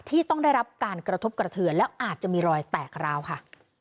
ที่ต้องได้รับการกระทบกระเทือนแล้วอาจจะมีรอยแตกร้าวค่ะ